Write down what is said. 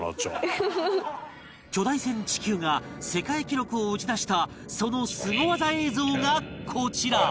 巨大船ちきゅうが世界記録を打ち出したそのスゴ技映像がこちら